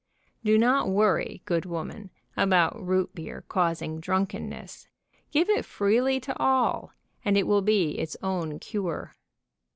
Do not worry, good woman, about root beer causing drunkenness. Give it freely to all, and it will be its own cure.